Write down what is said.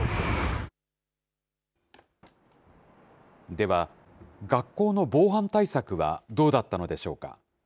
では、学校の防犯対策はどうだったのでしょうか。